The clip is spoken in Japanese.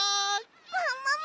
ももも！